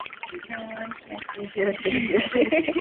但系如果你叫佢做鹹濕仔，你就即係趕絕佢